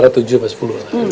sepuluh atau sembilan